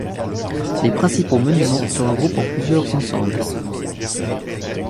Les principaux monuments se regroupent en plusieurs ensembles.